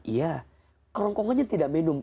iya kerongkongannya tidak minum